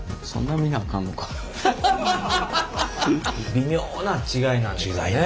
微妙な違いなんでしょうね。